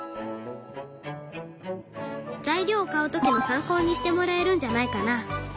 材料を買う時の参考にしてもらえるんじゃないかな。